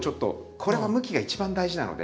これは向きが一番大事なので。